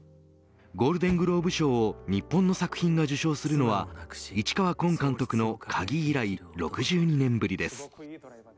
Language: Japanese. ゴールデン・グローブ賞を日本の作品が受賞するのは市川崑監督の鍵、以来６２年ぶりです。